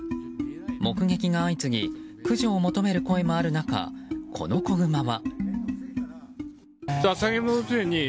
目撃が相次ぎ駆除を求める声もある中この子グマは。